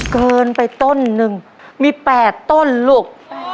เกินไปต้นหนึ่งมี๘ต้นลูก